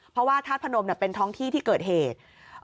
เพราะว่าธาตุพนมเป็นท้องที่ที่เกิดเหตุ